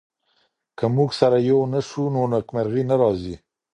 که موږ سره يو نه سو نو نېکمرغي نه راځي.